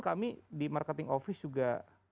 kami di marketing office juga